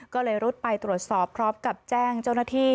ก็เลยรุดไปตรวจสอบพร้อมกับแจ้งเจ้าหน้าที่